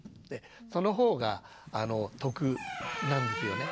そのほうが得なんですよね。